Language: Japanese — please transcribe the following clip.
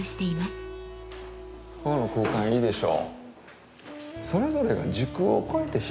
ここの空間いいでしょ。